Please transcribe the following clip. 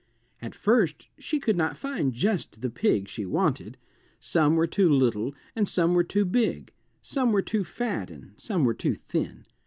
At first she could not find just the pig she wanted. Some were too little and some were too big; some were too fat and some were too thin.